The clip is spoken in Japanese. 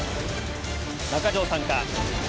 中条さんか？